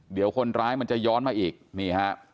เดี๋ยวคนร้ายมันจะย้อนมาอีกนี่ฮะ